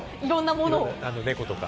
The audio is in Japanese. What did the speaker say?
猫とか？